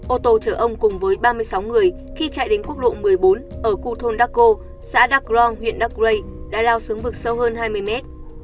ô tô chở ông cùng với ba mươi sáu người khi chạy đến quốc lộ một mươi bốn ở khu thôn đắc cô xã đắk grong huyện đắc rây đã lao xuống vực sâu hơn hai mươi mét